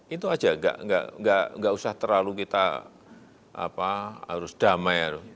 itu aja enggak usah terlalu kita apa harus damai